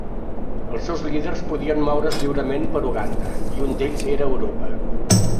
Els seus líders podien moure's lliurement per Uganda i un d'ells era a Europa.